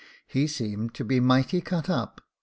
" He seemed to be mighty cut up.